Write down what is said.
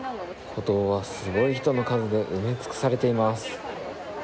歩道はすごい人の数で埋め尽くされています。